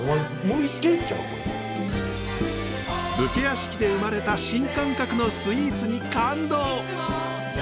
武家屋敷で生まれた新感覚のスイーツに感動！